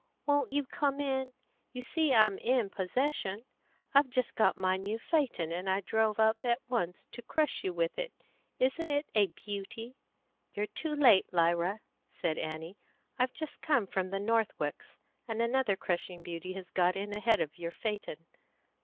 "Won't you come in? You see I'm in possession. I've just got my new phaeton, and I drove up at once to crush you with it. Isn't it a beauty?" "You're too late, Lyra," said Annie. "I've just come from the Northwicks, and another crushing beauty has got in ahead of your phaeton."